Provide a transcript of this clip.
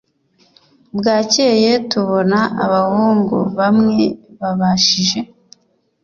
Bwakeye tubona abahungu bamwe babashije